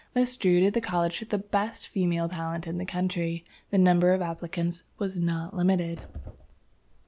This drew to the college the best female talent in the country. The number of applicants was not limited.